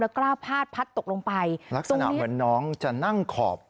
กล้าพาดพัดตกลงไปลักษณะเหมือนน้องจะนั่งขอบ